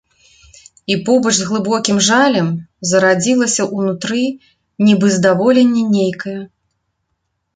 І побач з глыбокім жалем зарадзілася ўнутры нібы здаволенне нейкае.